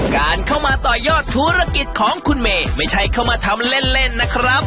การเข้ามาต่อยอดธุรกิจของคุณเมย์ไม่ใช่เข้ามาทำเล่นเล่นนะครับ